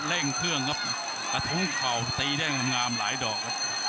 เร่งเครื่องเอาทุ้งเข่าตีได้งามหลายดอก